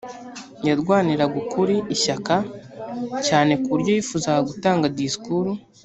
yarwaniraga ukuri ishyaka cyane ku buryo yifuzaga gutanga disikuru